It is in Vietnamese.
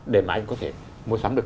để mà anh có thể mua sắm được